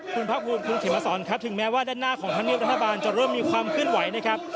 คุณภาคภูมิคุณเขมสอนครับถึงแม้ว่าด้านหน้าของธรรมเนียบรัฐบาลจะเริ่มมีความเคลื่อนไหวนะครับ